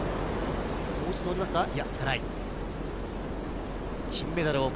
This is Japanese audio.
もう一度乗りますか？